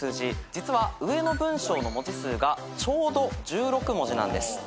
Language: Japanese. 実は上の文章の文字数がちょうど１６文字なんです。